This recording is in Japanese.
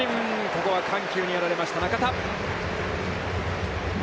ここは緩急にやられました中田。